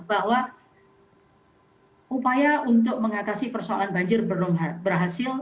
bahwa upaya untuk mengatasi persoalan banjir belum berhasil